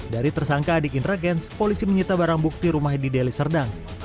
dari tersangka adik indra kents polisi menyita barang bukti rumah di delhi serdang